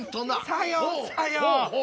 さようさよう。